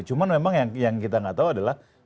cuman memang yang kita nggak tau adalah